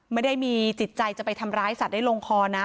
ไม่ได้มีจิตใจจะไปทำร้ายสัตว์ได้ลงคอนะ